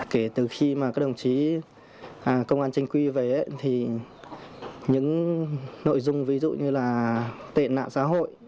kể từ khi mà các đồng chí công an tranh quy về thì những nội dung ví dụ như là tệ nạn xã hội